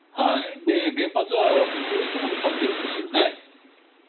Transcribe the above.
原発はこういうところに立ってるんですよね。